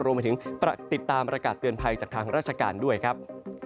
รวมไปถึงติดตามประกาศเตือนภัยจากทางราชการด้วยครับ